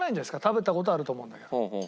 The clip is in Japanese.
食べた事はあると思うんだけど。